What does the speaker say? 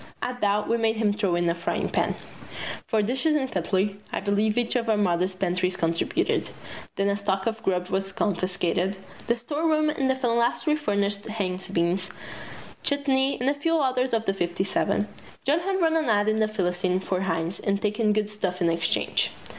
At that we made him throw in a frying pan. For dishes and cutlery, I believe each of our mothers' pantries contributed. Then a stock of grub was confiscated. The storeroom in the Phalansterie furnished Heinz beans, chutney, and a few others of the fifty seven. John had run an ad in "The Philistine" for Heinz and taken good stuff in exchange.